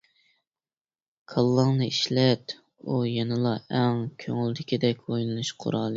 كاللاڭنى ئىشلەت، ئۇ يەنىلا ئەڭ كۆڭۈلدىكىدەك ئويلىنىش قورالى.